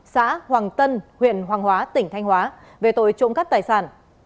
xã hoàng tân huyện hoàng hóa tỉnh thanh hóa về tội trộm cắt tài sản